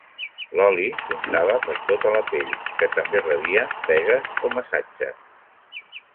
L'oli s'untava per tota la pell, que també rebia fregues o massatges.